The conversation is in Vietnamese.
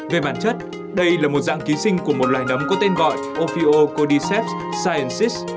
về bản chất đây là một dạng ký sinh của một loài nấm có tên gọi ophiocordyceps sciences